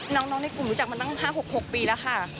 น้องในกลุ่มรู้จักมาตั้ง๕๖๖ปีแล้วค่ะ